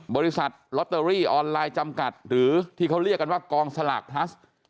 บริษัทลอตเตอรี่ออนไลน์จำกัดหรือที่เขาเรียกกันว่ากองสลากพลัส